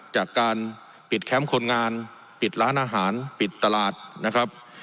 จากการปิดแคมป์คนงานปิดร้านอาหารปิดตลาดนะครับ